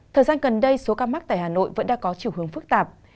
thời gian gần đây số ca mắc tại hà nội vẫn đã có chiều hướng phức tạp